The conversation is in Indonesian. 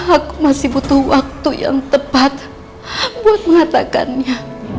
aku masih butuh waktu yang tepat buat mengatakannya